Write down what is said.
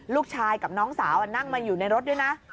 ลูกชายกับน้องสาวนั่งมาอยู่ในรถด้วยนะ